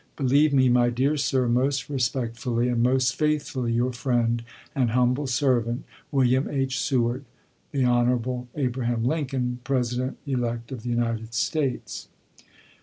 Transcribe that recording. LINCOLN'S CABINET 351 Believe me, my dear sir, most respectfully and most ch. xxii. faithfully your friend and humble servant, William H. Seward. ms. The Hon. Abraham Lincoln, President elect of the United States.